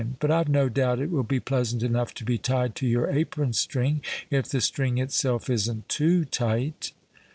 But I've no doubt it will be pleasant enough to be tied to your apron string—if the string itself isn't too tight."